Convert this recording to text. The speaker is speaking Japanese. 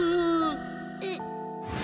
えっ。